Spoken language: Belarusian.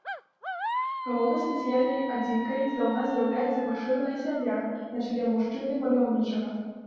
Галоўнай сацыяльнай адзінкай здаўна з'яўлялася пашыраная сям'я на чале мужчыны-паляўнічага.